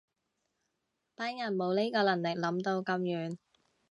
班人冇呢個能力諗到咁遠